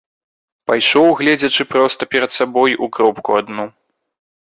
Пайшоў, гледзячы проста перад сабой у кропку адну.